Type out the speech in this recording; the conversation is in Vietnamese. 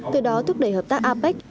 từ đó thúc đẩy hợp tác apec